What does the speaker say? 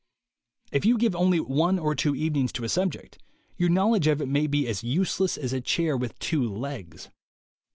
If you give only one or two evenings to a subject, your knowledge of it may be as useless as a chair with two legs.